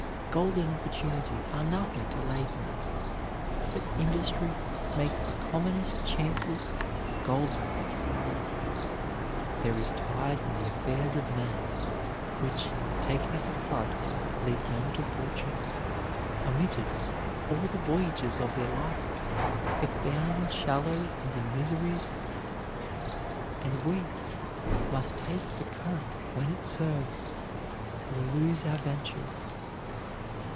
Golden opportunities are nothing to laziness, but industry makes the commonest chances golden. "There is a tide in the affairs of men, Which, taken at the flood, leads on to fortune; Omitted, all the voyage of their life Is bound in shallows and in miseries; And we must take the current when it serves, Or lose our ventures."